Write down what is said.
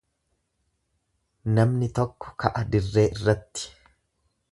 Namni tokko ka'a dirree irratti.